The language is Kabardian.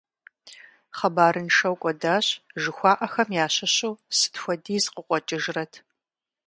«Хъыбарыншэу кӀуэдащ», жыхуаӀахэм ящыщу сыт хуэдиз къыкъуэкӀыжрэт?